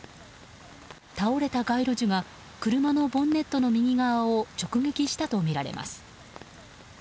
倒れた街路樹が車のボンネットの右側を直撃したとみられます。